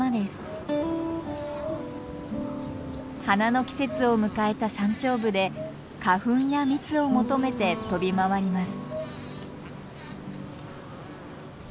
花の季節を迎えた山頂部で花粉や蜜を求めて飛び回ります。